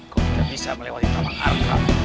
kau tidak bisa melewati tamang agak